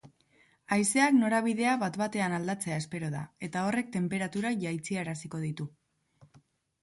Haizeak norabidea bat-batean aldatzea espero da, eta horrek tenperaturak jaitsaraziko ditu.